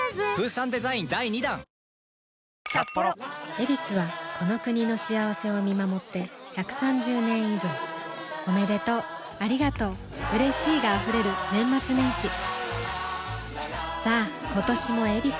「ヱビス」はこの国の幸せを見守って１３０年以上おめでとうありがとううれしいが溢れる年末年始さあ今年も「ヱビス」で